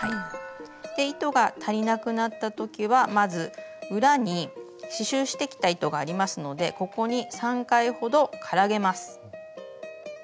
糸が足りなくなった時はまず裏に刺しゅうしてきた糸がありますのでここに３回ほどからげます。